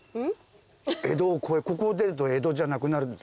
江戸を越えここを出ると江戸じゃなくなるんだ。